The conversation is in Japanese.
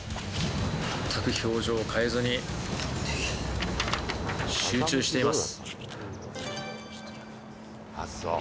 全く表情を変えずに集中しています。